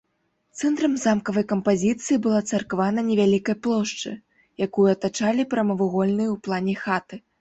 Цэнтрам замкавай кампазіцыі была царква на невялікай плошчы, якую атачалі прамавугольныя ў плане хаты.